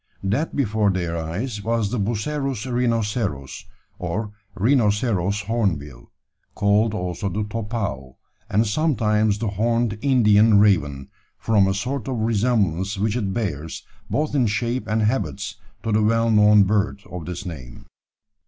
That before their eyes was the Bucerus rhinoceros, or "rhinoceros hornbill," called also the "topau," and sometimes the "horned Indian raven," from a sort of resemblance which it bears both in shape and habits to the well known bird of this name.